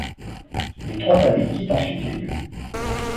Les trois amis quittent ensuite les lieux.